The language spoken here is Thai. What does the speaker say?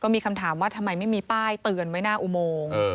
มีคำถามว่าทำไมไม่มีป้ายเตือนไว้หน้าอุโมง